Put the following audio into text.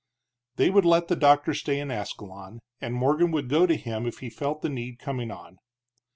They would let the doctor stay in Ascalon, and Morgan would go to him if he felt the need coming on.